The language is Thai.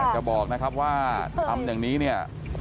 จะบอกนะครับว่าทำอย่างนี้เนี่ย